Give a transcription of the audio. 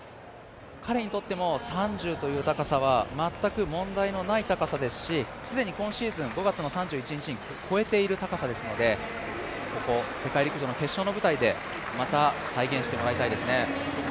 彼にとっても３０という高さは全く問題ない高さですし、既に今シーズン５月３１日に越えている高さですので世界陸上の決勝の舞台でまた再現してもらいたいですね。